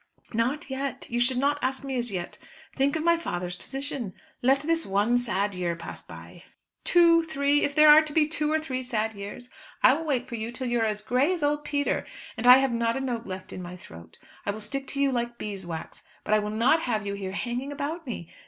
"Not yet. You should not ask me as yet. Think of my father's position. Let this one sad year pass by." "Two three, if there are to be two or three sad years! I will wait for you till you are as grey as old Peter, and I have not a note left in my throat. I will stick to you like beeswax. But I will not have you here hanging about me.